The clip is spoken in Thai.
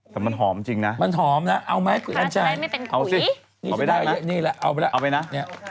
แต่มันหอมจริงนะท่านชายมันหอมนะเอาไหม